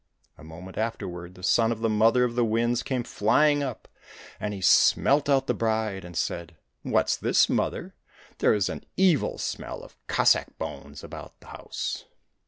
A moment afterward the son of the Mother of the Winds came flying up, and he smelt out the bride, and said, '' What's this, mother ? There is an evil smell of Cossack bones about the house